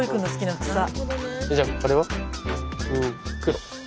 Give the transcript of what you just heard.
じゃああれは？